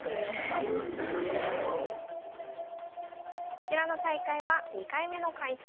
こちらの大会は２回目の開催。